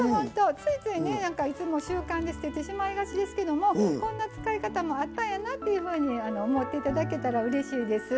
ついついねいつも習慣で捨ててしまいがちですけどもこんな使い方もあったんやなっていうふうに思っていただけたらうれしいです。